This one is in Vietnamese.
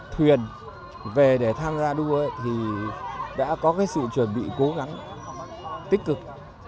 thuyền về để tham gia đua thì đã có cái sự chuẩn bị cố gắng tích cực